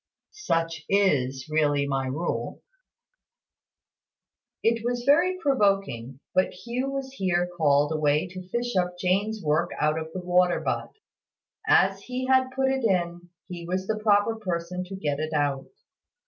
"Such is really my rule." It was very provoking, but Hugh was here called away to fish up Jane's work out of the water butt. As he had put it in, he was the proper person to get it out.